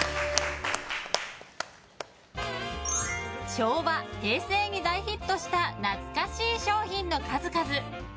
昭和・平成に大ヒットした懐かしい商品の数々。